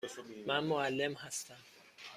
من معلم هستم.